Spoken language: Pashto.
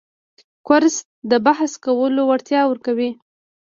کورس د بحث کولو وړتیا ورکوي.